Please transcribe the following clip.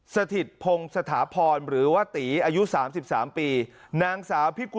สถิตพงษ์สถาพรหรือว่าตีอายุสามสิบสามปีนางสาวพิกุ